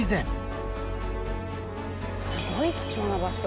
すごい貴重な場所。